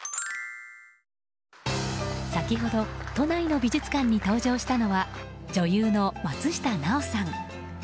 先ほど都内の美術館に登場したのは女優の松下奈緒さん。